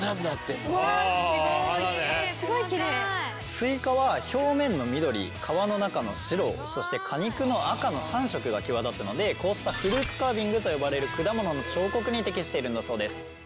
スイカは表面の緑皮の中の白そして果肉の赤の３色が際立つのでこうしたフルーツカービングと呼ばれる果物の彫刻に適しているんだそうです。